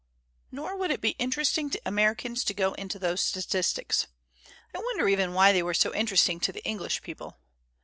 Nor would it be interesting to Americans to go into those statistics. I wonder even why they were so interesting to the English people.